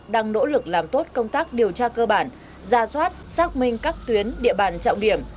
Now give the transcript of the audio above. đang nỗ lực làm tốt công tác điều tra cơ bản ra soát xác minh các tuyến địa bàn trọng điểm